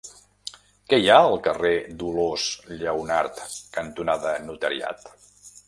Què hi ha al carrer Dolors Lleonart cantonada Notariat?